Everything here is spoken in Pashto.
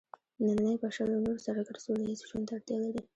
نننی بشر له نورو سره ګډ سوله ییز ژوند ته اړتیا لري.